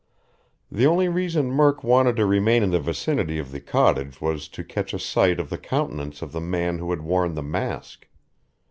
The only reason Murk wanted to remain in the vicinity of the cottage was to catch a sight of the countenance of the man who had worn the mask.